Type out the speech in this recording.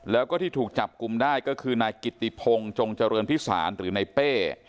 แล้วก็ที่ถูกจับกลุ่มได้ก็คือนายกิติพงศ์จงเจริญพิสารหรือในเป้